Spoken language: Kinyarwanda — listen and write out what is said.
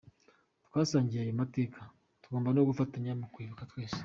Twasangiye ayo mateka, tugomba no gufatanya mu kwibuka twese.